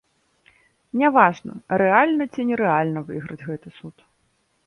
Не важна, рэальна, ці не рэальна выйграць гэты суд.